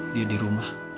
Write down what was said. dia di rumah